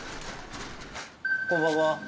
こんばんは。